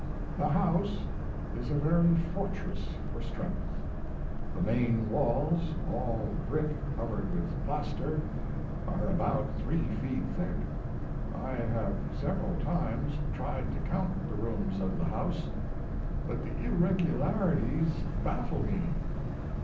The house is a very fortress for strength. The main walls all brick covered with plaster are about 3 feet thick. I have several times tried to count the rooms of the house, but the irregularities baffle me.